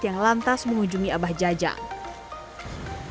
yang lantas mengunjungi abah jajang